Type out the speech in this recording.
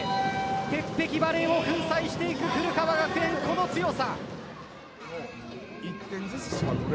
鉄壁バレーを粉砕していく古川学園、この強さ。